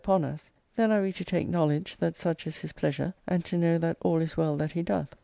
41, 432 ARCADIA,— Book IV, upon us, then are we to take knowledge that such is his pleasure, and to know that all is well that he doth.